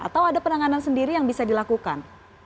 atau ada penanganan sendiri yang bisa dilakukan